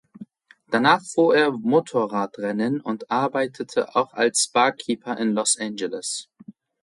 Danach fuhr er Motorradrennen und arbeitete auch als Barkeeper in Los Angeles.